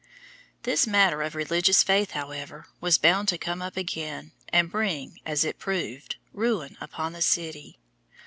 This matter of religious faith, however, was bound to come up again and bring, as it proved, ruin upon the city.